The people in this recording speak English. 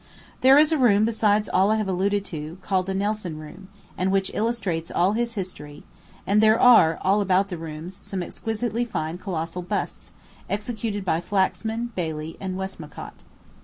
There is a room besides all I have alluded to, called the Nelson Room, and which illustrates all his history; and there are, all about the rooms, some exquisitely fine colossal busts, executed by Flaxman, Bailey, and Westmacott.